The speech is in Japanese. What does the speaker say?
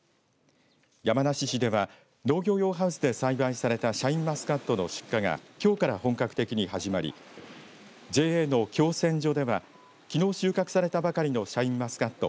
山梨市では農業用ハウスで栽培されたシャインマスカットの出荷がきょうから本格的に始まりＪＡの共選所ではきのう収穫されたばかりのシャインマスカット